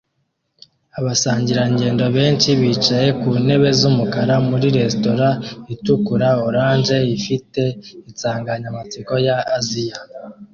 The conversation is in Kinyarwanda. Abasangirangendo benshi bicaye ku ntebe z'umukara muri resitora itukura-orange ifite insanganyamatsiko ya Aziya